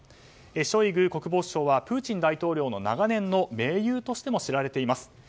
ショイグ国防相はプーチン大統領の長年の盟友としても知られています。